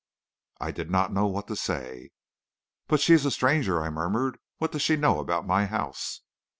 "I did not know what to say. "'But she is a stranger,' I murmured. 'What does she know about my house?'